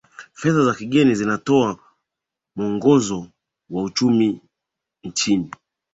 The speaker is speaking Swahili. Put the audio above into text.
fedha za kigeni zinatoa mwongozo wa uchumi nchini